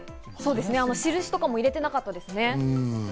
印とかも入れてなかったですね。